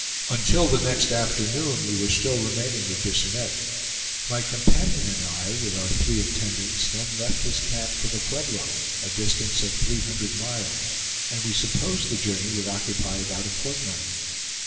Until the next afternoon we were still remaining with Bisonette. My companion and I with our three attendants then left his camp for the Pueblo, a distance of three hundred miles, and we supposed the journey would occupy about a fortnight.